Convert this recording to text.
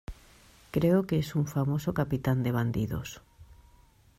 creo que es un famoso capitán de bandidos.